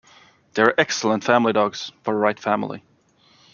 They are excellent family dogs - for the right family.